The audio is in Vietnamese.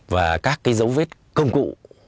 và các cái dấu vết công cụ